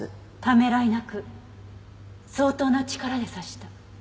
ためらいなく相当な力で刺した。